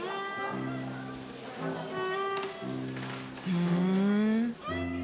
ふん。